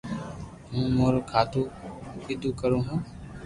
ھون اورو ڪآدو ڪرو ھون